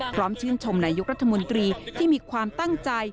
พร้อมชื่นชมนายกรัฐมนตรีที่มีความตั้งใจ